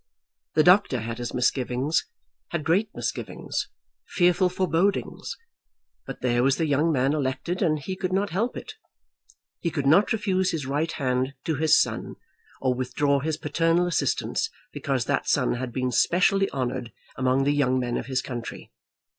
The doctor had his misgivings, had great misgivings, fearful forebodings; but there was the young man elected, and he could not help it. He could not refuse his right hand to his son or withdraw his paternal assistance because that son had been specially honoured among the young men of his country.